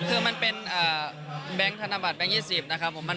คือมันเป็นแบงค์ธนบัตแบงค์๒๐นะครับผม